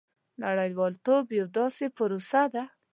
• نړیوالتوب یوه داسې پروسه ده.